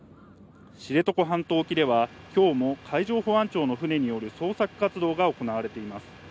知床半島沖では今日も海上保安庁の船による捜索活動が行われています。